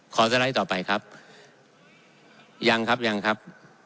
สไลด์ต่อไปครับยังครับยังครับ